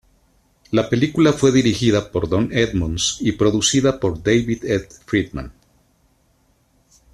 La película fue dirigida por Don Edmonds y producida por David F. Friedman.